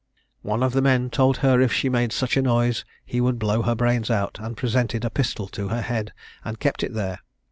One of the men told her if she made such a noise he would blow her brains out, and presented a pistol to her head, and kept it there.